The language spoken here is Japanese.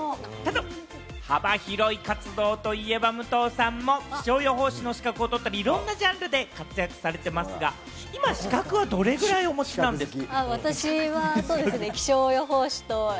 幅広い活動といえば、武藤さんも気象予報士の資格を取ったりいろんなジャンルで活躍されてますが、今、資格はどれぐらいお持ちなんですか？